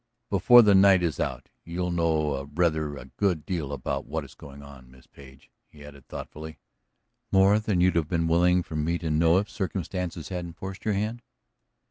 ... Before the night is out you'll know rather a good deal about what is going on, Miss Page," he added thoughtfully. "More than you'd have been willing for me to know if circumstance hadn't forced your hand?"